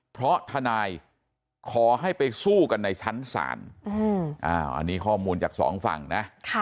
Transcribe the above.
เพราะทนายขอให้ไปสู้กันในชั้นศาลอันนี้ข้อมูลจากสองฝั่งนะ